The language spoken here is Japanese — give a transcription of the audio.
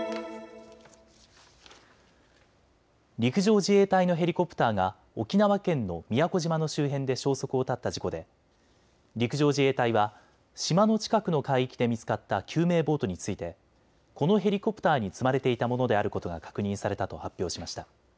陸上自衛隊のヘリコプターが沖縄県の宮古島の周辺で消息を絶った事故で陸上自衛隊は島の近くの海域で見つかった救命ボートについてこのヘリコプターに積まれていたものであることが確認されたと発表しました。